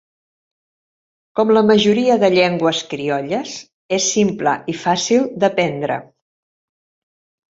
Com la majoria de llengües criolles és simple i fàcil d'aprendre.